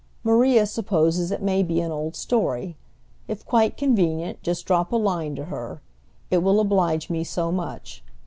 Maria supposes it may be an old story. If quite convenient, just drop a line to her; it will oblige me much.